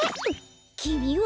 きみは！？